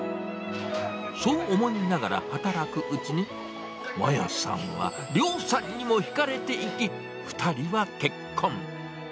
そう思いながら働くうちに、まやさんは亮さんにもひかれていき、２人は結婚。